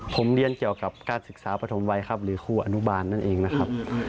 ผมเรียนเกี่ยวกับการศึกษาปฐมวัยครับหรือครูอนุบาลนั่นเองนะครับ